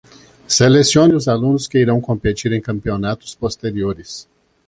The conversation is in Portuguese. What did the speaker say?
Selecione os alunos que irão competir em campeonatos posteriores.